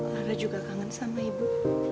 karena juga kangen sama ibu